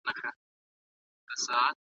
ښه منظرکشي د دغه ناول یوه لویه ځانګړنه ده.